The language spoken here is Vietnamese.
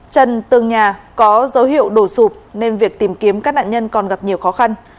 chân tường nhà có dấu hiệu đổ sụp nên việc tìm kiếm các nạn nhân còn gặp nhiều khó khăn